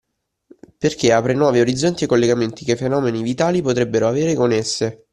Perché apre nuovi orizzonti ai collegamenti che i fenomeni vitali potrebbero avere con esse.